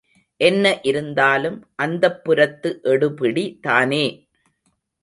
என்ன இருந்தாலும் அந்தப்புரத்து எடுபிடி தானே.